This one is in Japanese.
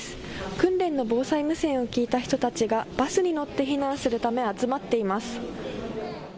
訓練の防災無線を聞いた人たちがバスに乗って避難するため集まっています。